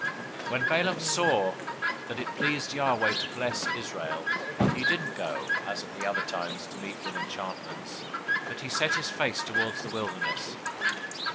024:001 When Balaam saw that it pleased Yahweh to bless Israel, he didn't go, as at the other times, to meet with enchantments, but he set his face toward the wilderness.